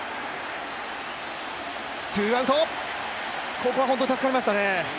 ここは本当に助かりましたね。